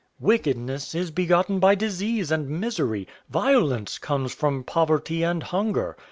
"Wickedness is begotten by disease and misery. Violence comes from poverty and hunger.